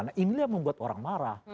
nah inilah yang membuat orang marah